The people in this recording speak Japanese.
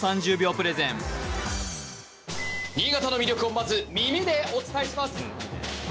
プレゼン新潟の魅力をまず耳でお伝えします！